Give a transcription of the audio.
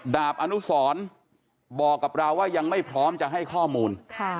ดาบอนุสรบอกกับเราว่ายังไม่พร้อมจะให้ข้อมูล